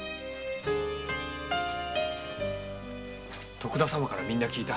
徳田様からみんな聞いた。